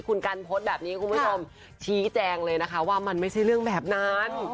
คุณกันโพสต์แบบนี้คุณผู้ชมชี้แจงเลยนะคะว่ามันไม่ใช่เรื่องแบบนั้น